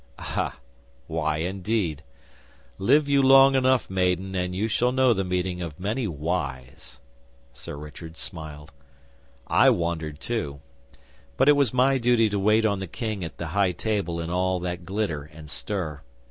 'Ah, why indeed? Live you long enough, maiden, and you shall know the meaning of many whys.' Sir Richard smiled. 'I wondered too, but it was my duty to wait on the King at the High Table in all that glitter and stir.